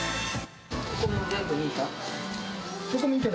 ここもう全部見た？